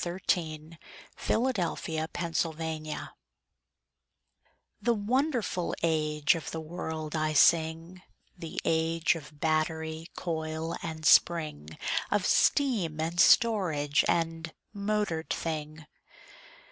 THE AGE OF MOTORED THINGS The wonderful age of the world I sing— The age of battery, coil and spring, Of steam, and storage, and motored thing.